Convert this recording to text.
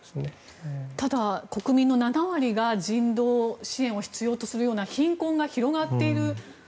ただ、国民の７割が人道支援を必要とするような貧困が広がっている。